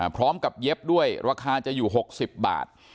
พร้อมกับเย็บด้วยราคาจะอยู่๖๐บาท